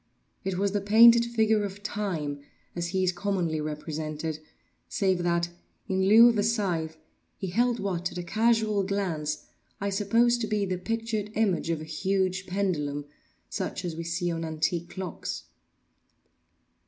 It was the painted figure of Time as he is commonly represented, save that, in lieu of a scythe, he held what, at a casual glance, I supposed to be the pictured image of a huge pendulum such as we see on antique clocks.